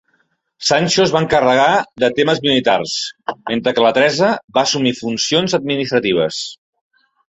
Sancho es va encarregar de temes militars, mentre que la Teresa va assumir funcions administratives.